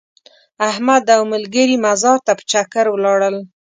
احمد او ملګري مزار ته په چکر ولاړل.